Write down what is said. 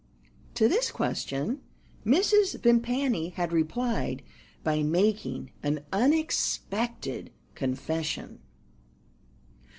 To this question Mrs. Vimpany had replied by making an unexpected confession.